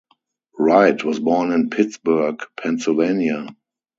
Wright was born in Pittsburgh, Pennsylvania.